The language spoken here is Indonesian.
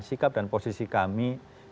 sikap dan posisi kami